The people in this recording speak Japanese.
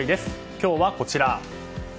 今日はこちら。